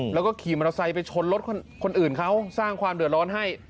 แล้วก็ขี่มอเตอร์ไซค์ไปชนรถคนอื่นเขาสร้างความเดือดร้อนให้